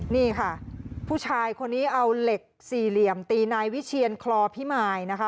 นี่ค่ะผู้ชายคนนี้เอาเหล็กสี่เหลี่ยมตีนายวิเชียนคลอพิมายนะคะ